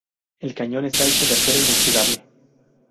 El cañón está hecho de acero inoxidable.